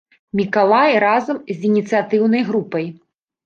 Мікалай разам з ініцыятыўнай групай.